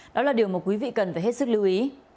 đó là điều mà quý vị cần phải hết sức lưu ý